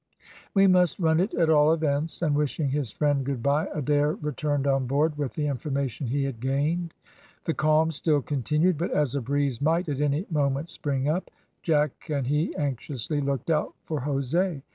"We must run it at all events;" and wishing his friend goodbye, Adair returned on board with the information he had gained. The calm still continued; but as a breeze might at any moment spring up, Jack and he anxiously looked out for Jose.